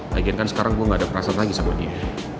lagian kan sekarang gue gak ada perasaan lagi sama dia